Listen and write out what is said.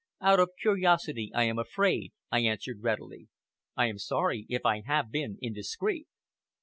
"Out of curiosity, I am afraid," I answered readily. "I am sorry if I have been indiscreet!"